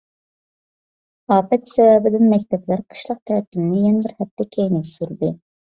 ئاپەت سەۋەبىدىن مەكتەپلەر قىشلىق تەتىلنى يەنە بىر ھەپتە كەينىگە سۈردى.